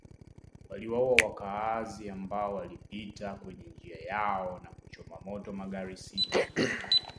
Waliwaua wakaazi ambao walipita kwenye njia yao na kuchoma moto magari sita